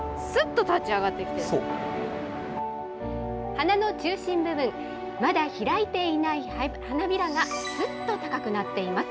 花の中心部分、まだ開いていない花びらがすっと高くなっています。